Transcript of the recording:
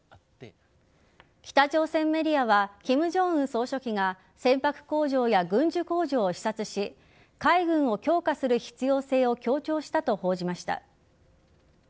北朝鮮メディアは金正恩総書記が船舶工場や軍需工場を視察し海軍を強化する必要性を強調したと報じました。